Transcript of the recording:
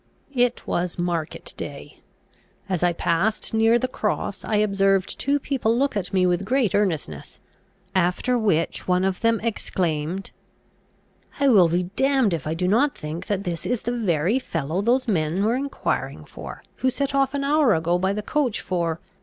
It was market day. As I passed near the cross, I observed two people look at me with great earnestness: after which one of them exclaimed, "I will be damned if I do not think that this is the very fellow those men were enquiring for who set off an hour ago by the coach for